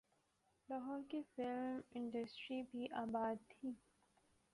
لاہور کی film industry بھی آباد تھی۔